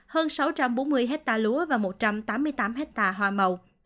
hơn sáu trăm bốn mươi hectare lúa và một trăm tám mươi tám hectare hoa màu